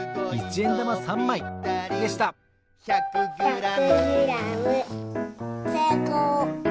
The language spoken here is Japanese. １００グラムせいこう！